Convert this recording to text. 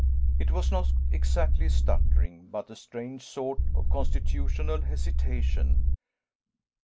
It was not exactly stuttering, but a strange sort of constitutional hesitation.